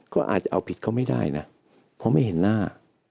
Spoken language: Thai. ก็อาจจะเอาผิดเขาไม่ได้นะเพราะไม่เห็นหน้า